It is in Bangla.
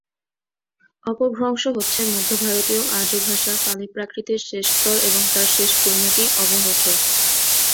অপভ্রংশ হচ্ছে মধ্যভারতীয় আর্যভাষা পালি-প্রাকৃতের শেষস্তর এবং তার শেষ পরিণতি অবহট্ঠ।